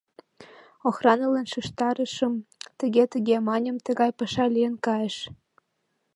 Охранылан шижтарышым, тыге-тыге маньым, тыгай паша лийын кайыш.